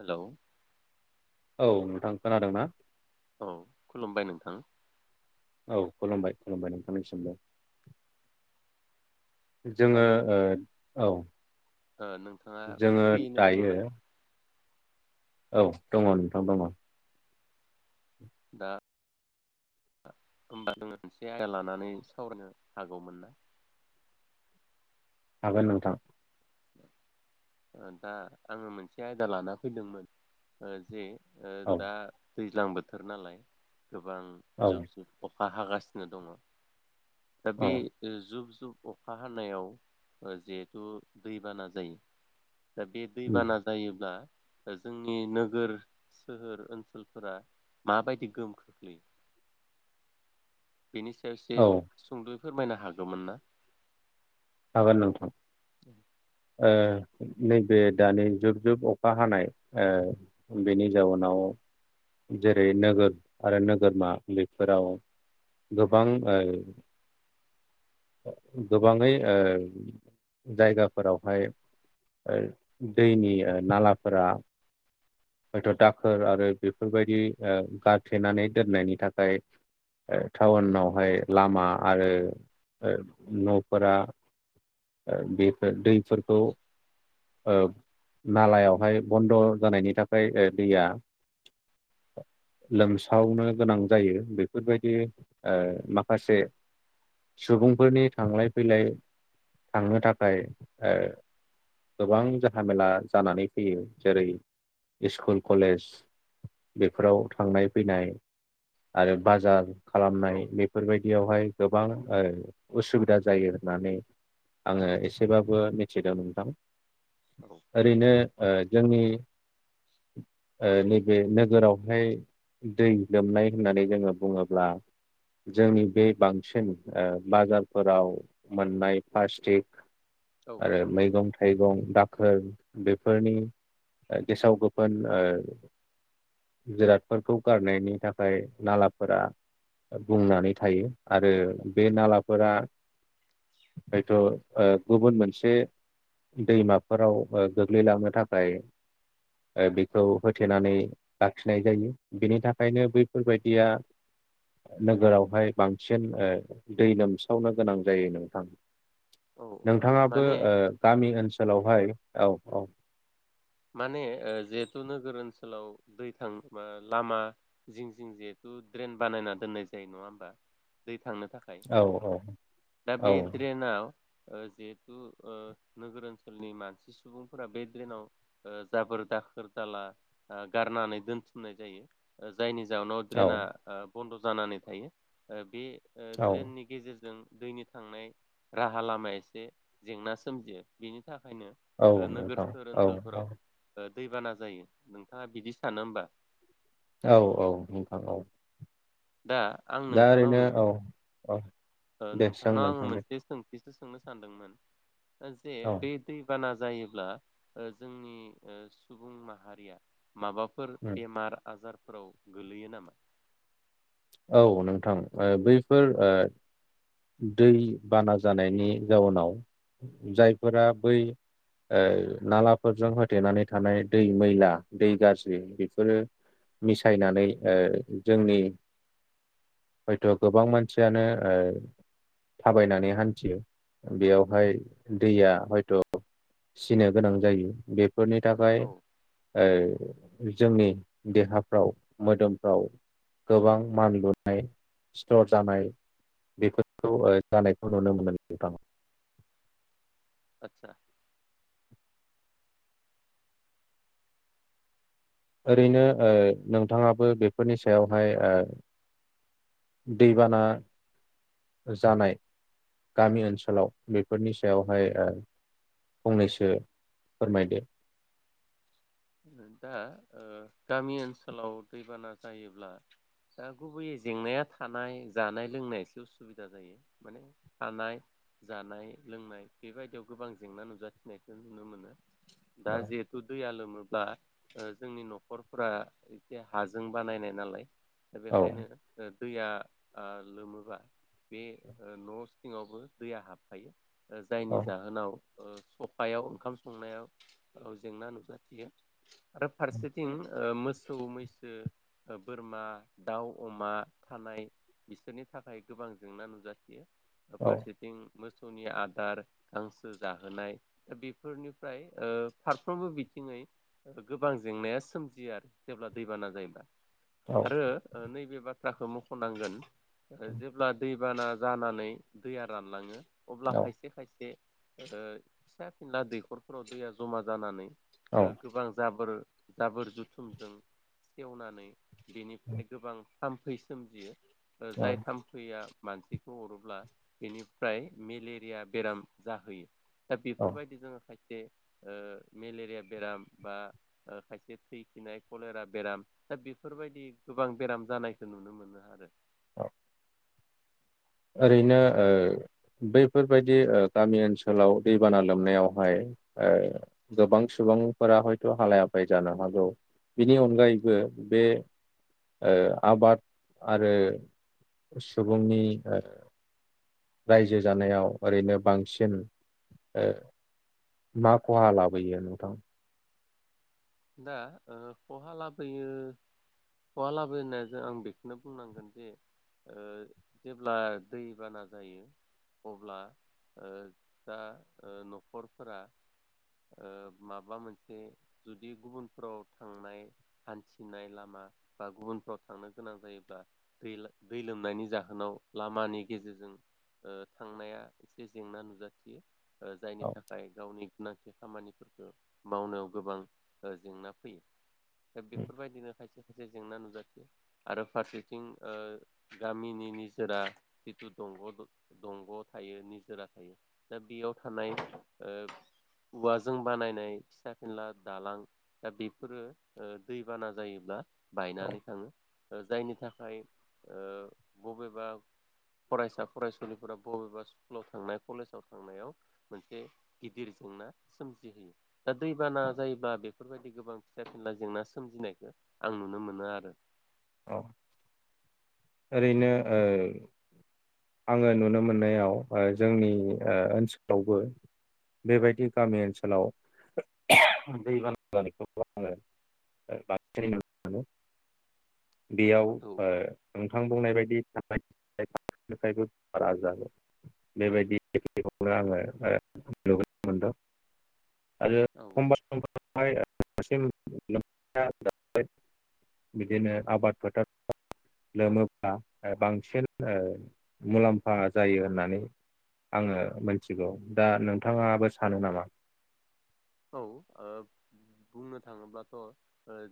Hello. औ नोंथां खोनादोंना? औ खुलुमबाय नोंथां। औ खुलुमबाय खुलुमबाय नोंथांनिसिमबो। दा जोङो नों ओ औ। ओ नोंथाङा जोङो फ्रियैनो दङ दायो ना? औ दङ नोंथां दङ। दा होमबा नोङो मोनसे आयदा लानानै सावरायनो हागौमोन ना? हागोन नोंथां। दा आङो मोनसे आयदा लाना फैदोंमोन ओ जे ओ औ दा दैज्लां बोथोर नालाय। गोबां औ जुब जुब अ हा हागासिनो दङ। औ दाबि ओ जुब जु अखा हानायाव ओ जिहेथु दैबाना जायो। दा बे उम दैबाना जायोब्ला जोंनि नोगोर सोहोर ओनसोलफोरा माबायदि गोहोम खोख्लैयो। बेनि सायावसे औ एसे सुंद' फोरमायनो हागौमोन ना? हागोन नोंथां। ओ नैबे दानि जुब जुब अखा हानाय ओ बेनि जाउोनाव जेरै नोगोर आरो नोगोरमा बेफोराव गोबां ओ गोबाङै ओ जायगाफोरावहाय ओ दैनि ओ नालाफोरा हायथ' दाखोर आरो बेफोरबायदि गारथेनानै दोननायनि थाखाय ओ टाउनावहाय लामा आरो ओ न'फोरा ओ बेफोर दैफोरखौ ओ नालायावहाय बन्द' जानायनि थाखाय ओ दैया लोमसावनो गोनां जायो बेफोरबायदि ओ माखासे सुबुंफोरनि थांलाय फैलाय थांनो थाखाय ओ गोबां जाहामेला जानानै फैयो जेरै स्कुल कलेज बेफोराव थांनाय फैनाय आरो बाजार औ खालामनाय बेफोरबायदि बेयावहाय गोबां ओ उसुबिदा जायो होननानै आङो एसेबाबो मिथिदों नोंथां औ ओरैनो ओ जोंनि ओ नैबे नोगोरावहाय दै लोमनाय होननानै जोङो बुङोब्ला जोंनि बे बांसिन ओ बाजारफोराव मोननाय प्लासटिक औ आरो मैगं थाइगं। दाखोर बेफोरनि ओ गेसाव गोफोन ओ जिरादफोरखौ गारनायनि थाखाय नालाफोरा बुंनानै थायो। आरो बे नालाफोरा हयथ' ओ गुबुन मोनसे दैमाफोराव ओ गोग्लैलांनो थाखाय ओ बेखौ होथेनानै लाखिनाय जायो बिनि थाखायनो बैफोरबायदिया नोगोरावहाय बांसिन ओ दै लोमसावनो गोनां जायो नोंथां। औ नोंथाङाबो माने ओ गामि ओनसोलावहाय औ औ माने ओ जिहेथु नोगोर ओनसोलाव दै थां मा लामा जिं जिं जिहेथु ड्रेन बानायना दोननाय जायो नङा होमबा। दै थांनो थाखाय औ दा बे ड्रेनाव ओ जिहेथु ओ नोगोर ओनसोलनि मानसि सुबुंफोरा बे ड्रेनाव ओ जाबोर दाखोर दाला ओ गारनानै दोनथुमनाय जायो। जायनि जाउनाव औ ड्रेना बन्द जानानै थायो। ओ बे ओ औ ड्रेननि गेजेरजों दैनि थांनाय राहा लामाया एसे जेंना सोमजियो। बेनि थाखायनो ओ नोगोर सोहोर ओं ओनसोल दैबाना जायो। नोंथाङा बिदि सानो होमबा? औ औ नंखागौ। दा आं दा नोंथांनाव ओरैनो मोनसे औ औ ओ दे सों नोंथांनाव आङो नोंथां दे मोनसे सों थिसो सोंनो सानदोंमोन। ओ जे औ बे दै बाना जायोब्ला ओ जोंनि ओ सुबुं माहारिया माबाफोर उम बेमार आजार फोराव गोलैयो नामा? औ नोंथां ओ बैफोर ओ दै बाना जानायनि जाउनाव जायफोरा बै ओ नालाफोरजों होथेनानै थानाय दै मैला दै गाज्रि बेफोरो मिसायनानै ओ जोंनि हयथ' गोबां मानसियानो ओ थाबायनानै हान्थियो। बेयावहाय दैया हयथ' सिनो गोनां जायो बे फोरनि औ थाखाय ओ जोंनि देहाफ्राव मोदोमफ्राव गोबां मानलुनाय सिथर जानाय बेफोरखौ ओ जानायखौ नुनो मोनो नोंथां। आथसा ओरैनो ओ नोंथाङाबो बेफोरनि सायावहाय ओ दैबाना जानाय गामि ओनसोलाव बेफोरनि सायावहाय ओ फंनैसो फोरमायदो। दा ओ गामि ओनसोलाव दैबाना जायोब्ला दा गुबैयै जेंनाया थानाय जानाय लोंनाय एसे उसुबिदा जायो। माने थानाय जानाय लोंनाय बेबायदियाव गोबां जेंना नुजाथिनायखौ नुनो मोनो। दा औ जिहेथु दैया लोमो ब्ला ओ जोंनि न'खरफोरा एसे हाजों बानायनाय नालाय। दा औ बेखायनो ओ दैया ओ लोमोबा बे ओ न' सिङावबो दैया हाबफायो। ओ जायनि औ जाहोनाव सफायाव ओंखाम संनायाव जेंना नुजाथियो आरो फारसेथिं मोसौ मैसो बोरमा दाउ अमा थानाय बिसोरनि थाखाय गोबां जेंना नुजाथियो। औ फारसेथिं मोसौनि आदार गांसो जाहोनाय बेफोरनिफ्राय फारफ्रोमबो बिथिंङै गोबां जेंनाया सोमजियो आरो जेब्ला दैबाना जायोब्ला औ आरो नैबे बाथ बाथ्राखौ मखनांगोन जेब्ला दै दैबाना जानानै दैया रानलाङो अब्ला औ खायसे खायसे ओ फिसा फिनला दैखरफोराव दैया जमा जानानै ओ औ गोबां जाबोर जाबोर जुथुमजों सेवनानै बेनिफ्राय गोबां थामफै सोमजियो ओ जाय थामफैया मानसिखौ अरोब्ला बेनिफ्राय मेलेरिया बेराम जाहोयो दा औ बेफोरबायदि जोंङो ओ मेलेरिया बेराम बा खायसे थैखिनाय कलेरा बेराम दा बेफोरबायदि गोबां बेराम जानायखौ नुनो मोनो आरो औ ओरैनो दा ओ बैफोर बेबायदि गामि ओनसोलाव दैबाना लोमनायावहाय गोबां सुबुंफोरा हयथ हालाय हाफाय जानो हागौ बिनि अनगायैबो बे आबाद आरो सुबुंनि औ रायजो जानायाव ओरैनो बांसिन मा खहा लाबोयो नोंथां दा खहा लाबोयो खहा लाबोनायाथ आं बेखौनो बुंनांगोन जे जेब्ला दैबाना जायो अब्ला दा नखरफोरा माबा मोनसे जु जुदि गुबुनफ्राव थांनाय हान्थिनाय लामा बा गुबुनफ्राव थांनो गोनां जायोब्ला दै दै लोमनायनि जाहोनाव लामानि गेजेरजों थांनाया एसे जेंना नुजाथियो ओ जायनि औ थाखाय गावनि मोनसे खामानिफोरखौ मावनायाव गोबां जेंना फैयो दा बेफोरबायदिनो खायसे खायसे जेंना नुजाथियो आरो फारसेथिं गामिनि निजोरा जिथु दंग‌ दंग थायो निजोरा थायो दा बेयाव थानाय औवाजों बानायनाय फिसा फिनला दालां दा बेफोरो दैबाना जायोब्ला औ बायनानै थांङो जायनि थाखाय बबेबा फरायसा फरायसुलिफोरा बबेबा स्कुलाव थांनाय कलेजाव थांनायाव मोनसे गिदिर जेंना सोमजिहोयो दा दैबाना जायो बा बेफोरबायदि गोबां फिसा फिनला जेंना सोमजिनायखौ आं नुनो मोनो आरो औ ओरैनो ओ आंङो नुनो मोननायाव जोंनि ओनसोलावबो बेबायदि गामि ओनसोलाव दैबाना जानायखौ आंङो बांसिनै नुनो मोनो बेयाव ओ नोंथा बुंनाय बामदि [unintelligible] आरो औ एखमबा एखमबा [unintelligible] बिदिनो आबाद फोथार [unintelligible] लोमोब्ला बांसिन ओ मुलाम्फा जायो होननानै आङो मोनथिगौ दा नों नोंथाङाबो सानो नामा औ ओ बुंनो थाङोब्लाथ'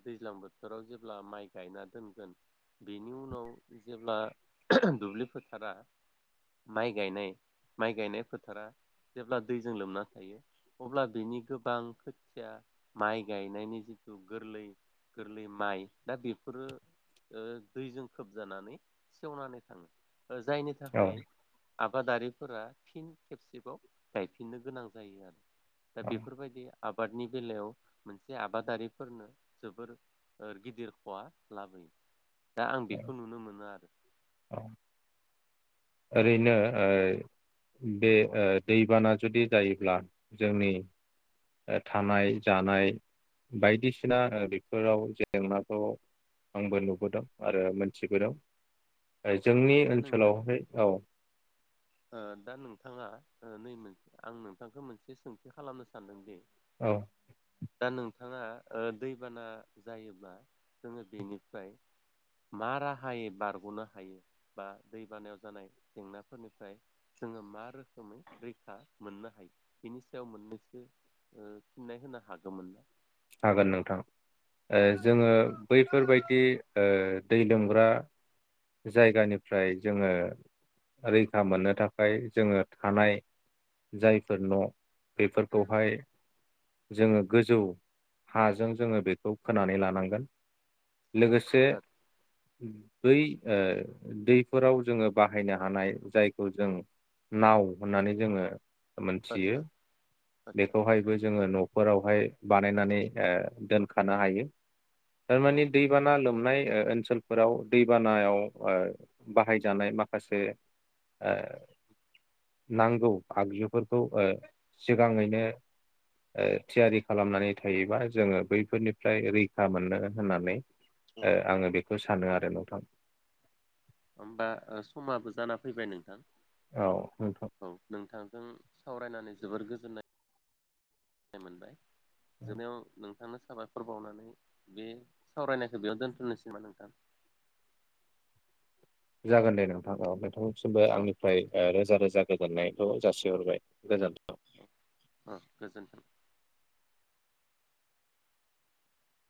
दैज्लां बोथोराव जेब्ला माइ गायना दोनगोन बेनि उनाव जेब्ला दुब्लि फोथारा माइ गायनाय माइ गायनाय फोथारा जेब्ला दैजों लोमना थायो अब्ला बिनि गोबां खोथिया माइ गायनायनि जिथु गोरलै-गोरलै माइ दा बेफोरो ओ दैजों खोबजानानै सेवनानै थाङो ओ जायनि औ थाखाय आबादारिफोरा फिन खेबसेबाव गायफिननो गोनां जायो आरो दा औ बेब आबादनि बेलायाव मोनसे आबादारिफोरनो जोबोर ओर गिदिर खहा लाबोयो दा आं औ बेखौ नुनो मोनो आरो [inaudible] ओरैनो ओ बे ओ दैबाना जुदि जायोब्ला जोंनि ओ थानाय जानाय बायदिसिना बेफोराव जेंनाखौ आंबो नुबोदों आरो मोनथिबोदों जोंनि दा नोंथां ओनसोलावहाय ओ दा नोंथाङा ओ नै मोनस आं नोंथांखौ मोनसे सोंथि खालामनो सानदों दे औ दा नोंथाङा ओ दैबाना जायोब्ला जोङो बेनिफ्राय मा राहायै बारग'नो हायो बा दैबानायाव जानाय जेंनाफोरनि फ्राय जोङो मा रोखोमै रैखा मोननो हायो बिनि सायाव ओ मोननैसो फिन्नाय होनो हागौमोन ना हागोन नोंथां ओ जोङो बैफोरबायदि दै लोमग्रा जायगानिफ्राय जोङो रैखा मोननो थाखाय जोङो थानाय जायफोर न बेफोरखौहाय जोङो गोजौ हाजों जोङो बेखौ खोनानै लानांगोन लोगोसे बै ओ दैफोराव जोङो बाहायनो हानाय जायखौ जों नाव होननानै जोङो मोनथियो आदसा आदसा बेखौहायबो जोङो न'फोराव हाय बानायनानै दोनखानो हायो औ थारमाने दैबाना लोमनाय ओ ओनसोलफोराव दैबानायाव ओ बाहायजानाय माखासे ओ नांगौ आगजुफोरखौ ओ सिगाङैनो ओ थियारि खालामनानै थायोबा जोङो बैफोरनिफ्राय रैखा मोननो होननानै औ ओ आङो बेखौ सानो आरो नोंथां होमबा समाबो जाना फैबाय नोंथां औ नोंथां औ नोंथांजों सावरायनानै जोबोर गोजोननाय [unintelligible] बाय जबनायाव नोंथांनो साबायखर बावनानै बे सावरायनायखौ बेयाव दोनथनोसैबा नोंथां जागोन दे नोंथा [unintelligible] सिमबो अ आंनिफ्राय ओ रोजा रोजा गोजोननायखौ जासिहरबाय गोजोन अ गोजोन्थों